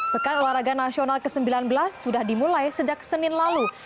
pekan olahraga nasional ke sembilan belas sudah dimulai sejak senin lalu